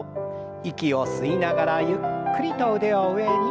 息を吸いながらゆっくりと腕を上に。